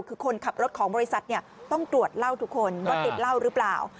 คือคนขับรถของบริษัทต้องตรวจเหล้าทุกคนว่าติดเหล้าหรือเปล่า